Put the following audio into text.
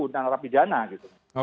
tandatangana pidana gitu